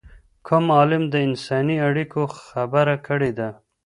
کوم عالم د انساني اړیکو خبره کړې ده؟